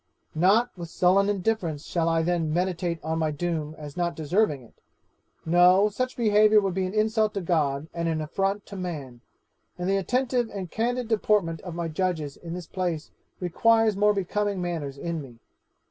'Not with sullen indifference shall I then meditate on my doom as not deserving it no, such behaviour would be an insult to God and an affront to man, and the attentive and candid deportment of my judges in this place requires more becoming manners in me.